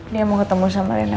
dia mau ketemu sama rena